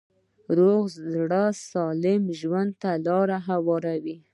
روغ زړه سالم ژوند ته لاره هواروي.